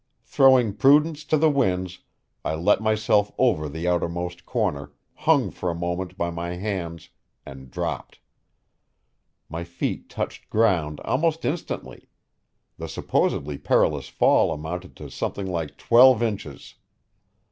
Throwing prudence to the winds, I let myself over the outermost corner, hung for a moment by my hands, and dropped. My feet touched ground almost instantly the supposedly perilous fall amounted to something like twelve inches.